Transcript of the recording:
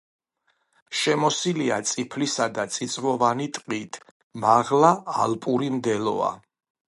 შემოსილია წიფლისა და წიწვოვანი ტყით, მაღლა ალპური მდელოა.